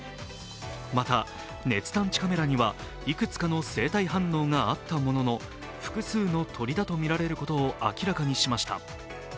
また、熱探知カメラにはいくつかの生体反応があったものの、複数の鳥だとみられることを明らかにしました